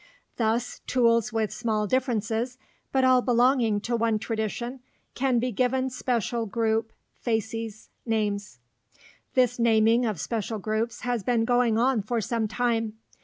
Thus, tools with small differences, but all belonging to one tradition, can be given special group (facies) names. This naming of special groups has been going on for some time.